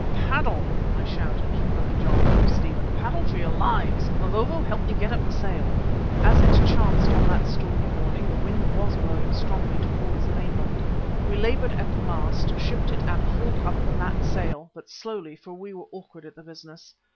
"Paddle," I shouted to Brother John and Stephen, "paddle for your lives! Mavovo, help me get up the sail." As it chanced on that stormy morning the wind was blowing strongly towards the mainland. We laboured at the mast, shipped it and hauled up the mat sail, but slowly for we were awkward at the business.